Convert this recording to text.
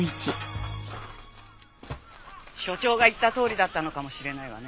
署長が言ったとおりだったのかもしれないわね。